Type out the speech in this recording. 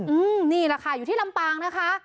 อืมนี่แหละค่ะอยู่ที่ลำปางนะคะ